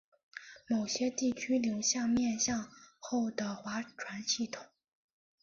某些地区流行面向后的划船系统。